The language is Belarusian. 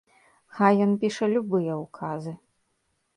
Хай ён піша любыя ўказы.